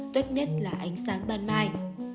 tốt nhất là ánh sáng ban mai